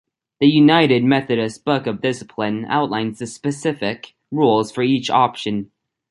The United Methodist Book of Discipline outlines the specific rules for each option.